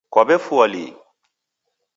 Kwawefua lii?